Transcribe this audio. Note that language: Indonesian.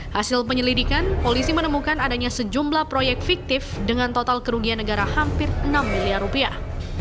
hasil penyelidikan polisi menemukan adanya sejumlah proyek fiktif dengan total kerugian negara hampir enam miliar rupiah